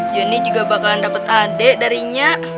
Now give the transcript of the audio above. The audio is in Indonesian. jonny juga bakalan dapet adek darinya